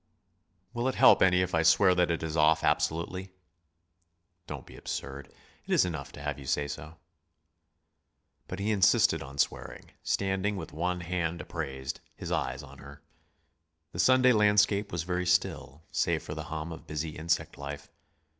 "Will it help any if I swear that that is off absolutely?" "Don't be absurd. It is enough to have you say so." But he insisted on swearing, standing with one hand upraised, his eyes on her. The Sunday landscape was very still, save for the hum of busy insect life.